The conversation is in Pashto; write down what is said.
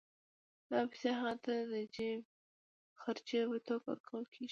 دا پیسې هغوی ته د جېب خرچۍ په توګه ورکول کېږي